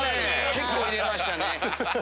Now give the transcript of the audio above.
結構入れましたね。